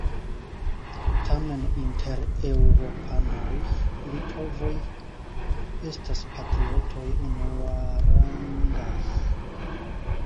Tamen inter eŭropanoj litovoj estas patriotoj unuarangaj.